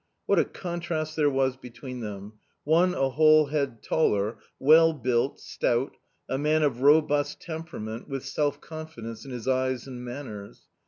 What a contrast there was between them ! One a whole head taller, well built, stout, a man of robust temperament with self confidence in his eyes and manners.